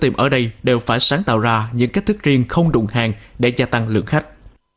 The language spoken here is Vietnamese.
tiệm ở đây đều phải sáng tạo ra những cách thức riêng không đụng hàng để gia tăng lượng khách